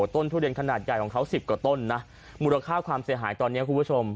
ทุเรียนขนาดใหญ่ของเขาสิบกว่าต้นนะมูลค่าความเสียหายตอนนี้คุณผู้ชม